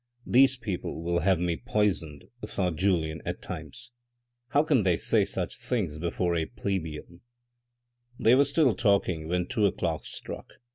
" These people will have me poisoned," thought Julien at times. " How can they say such things before a plebian." They were still talking when two o'clock struck.